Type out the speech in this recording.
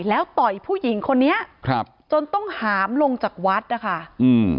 แล้วต่อยผู้หญิงคนนี้ครับจนต้องหามลงจากวัดนะคะอืม